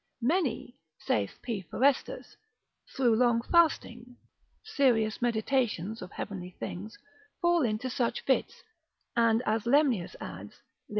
Many, (saith P. Forestus) through long fasting, serious meditations of heavenly things, fall into such fits; and as Lemnius adds, lib.